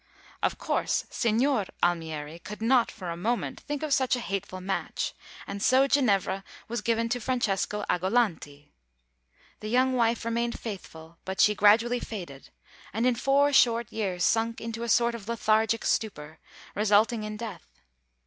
Of course, Signor Almieri could not for a moment think of such a hateful match, and so Ginevra was given to Francesco Agolanti. The young wife remained faithful; but she gradually faded; and in four short years sunk into a sort of lethargic stupor, resulting in death.